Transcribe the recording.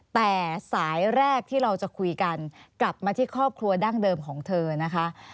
แต่สายแรกที่เราจะคุยกันกลับมาที่ครอบครัวดั้งเดิมของเธอนะคะ